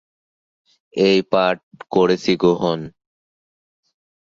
এই পাঠ করেছি গ্রহণ।